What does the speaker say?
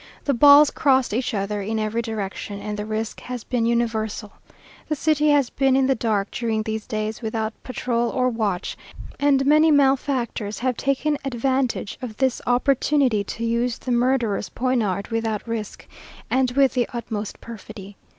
The balls crossed each other in every direction, and the risk has been universal. The city has been in the dark during these days, without patrol or watch; and many malefactors have taken advantage of this opportunity to use the murderous poniard without risk, and with the utmost perfidy.